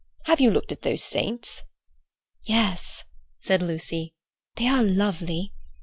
"Have you looked at those saints?" "Yes," said Lucy. "They are lovely.